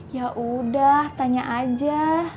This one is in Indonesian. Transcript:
ya udah tanya aja